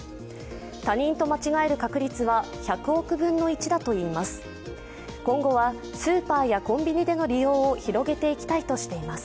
他人と間違える確率は１００億分の１だといいます。